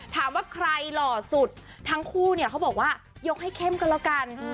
ถามว่าใครหล่อสุดทั้งคู่เนี่ยเขาบอกว่ายกให้เข้มกันแล้วกัน